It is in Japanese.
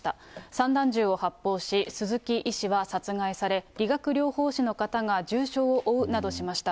散弾銃を発砲し、鈴木医師は殺害され、理学療法士の方が重傷を負うなどしました。